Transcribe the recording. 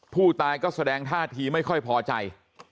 ผู้ตายก็แสดงท่าทีไม่ค่อยพอใจ